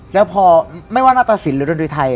และพอเหมือนกันนะตาศิลป์หรือดนตรีไทย